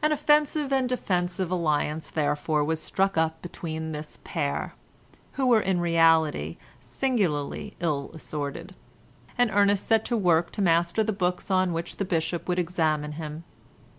An offensive and defensive alliance therefore was struck up between this pair (who were in reality singularly ill assorted), and Ernest set to work to master the books on which the Bishop would examine him.